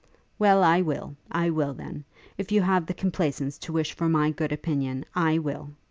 'Well, I will! I will, then! if you have the complaisance to wish for my good opinion, I will!'